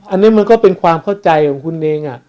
อันนี้มันก็เป็นความเข้าใจของคุณเอง